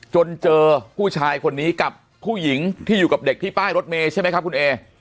จนเจอผู้ชายคนนี้กับผู้หญิงที่อยู่กับเด็กที่ป้ายรถเมย์ใช่ไหมครับคุณเอ